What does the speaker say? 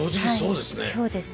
そうですね。